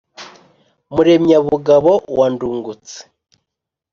Muremyabugabo wa Ndungutse